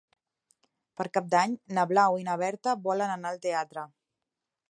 Per Cap d'Any na Blau i na Berta volen anar al teatre.